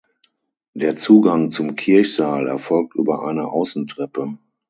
Der Zugang zum Kirchsaal erfolgt über eine Außentreppe.